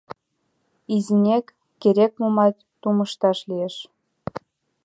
Изинекак керек-момат тумышташ лиеш.